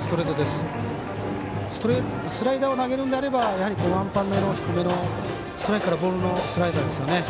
スライダーを投げるのであればワンバンのストライクからボールのスライダーですね。